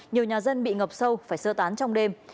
nhiều nhà dân bị ngập sâu phải sơ tán trong đêm